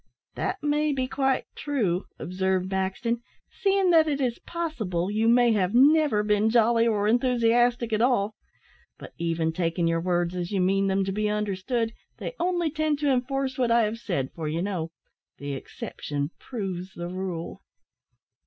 "That may be quite true," observed Maxton, "seeing that it is possible you may have never been jolly or enthusiastic at all; but even taking your words as you mean them to be understood, they only tend to enforce what I have said, for, you know, the exception proves the rule."